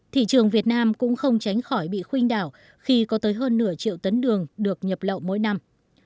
thị trường việt nam cũng không tránh khỏi bị khuynh đảo khi có tới hơn nửa triệu tấn đường được nhập lậu mỗi năm